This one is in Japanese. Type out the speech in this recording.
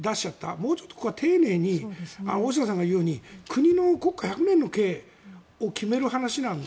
もうちょっとここは丁寧に大下さんが言うように国の、国家百年の計を決める話なので。